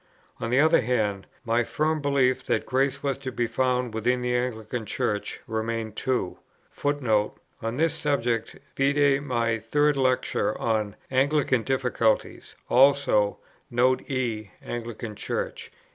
On the other hand, my firm belief that grace was to be found within the Anglican Church remained too. I wrote to another friend thus: On this subject, vide my Third Lecture on "Anglican Difficulties," also Note E, Anglican Church.